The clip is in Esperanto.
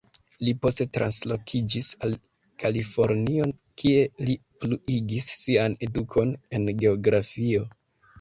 Li poste translokiĝis al Kalifornio kie li pluigis sian edukon en geografio.